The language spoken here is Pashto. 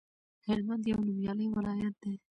هلمند یو نومیالی ولایت دی